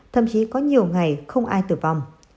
thậm chí có nhiều ngày không ai tử vong